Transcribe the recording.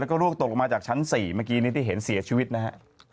แล้วก็ร่วงตกลงมาจากชั้น๔เมื่อกี้นี้ที่เห็นเสียชีวิตนะฮะ